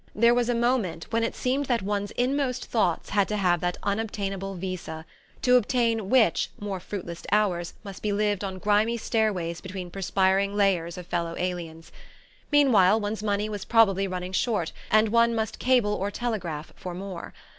There was a moment when it seemed that ones inmost thoughts had to have that unobtainable visa to obtain which, more fruitless hours must be lived on grimy stairways between perspiring layers of fellow aliens. Meanwhile one's money was probable running short, and one must cable or telegraph for more.